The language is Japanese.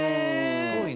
すごいな。